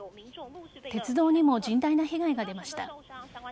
鉄道にも甚大な被害が出ました。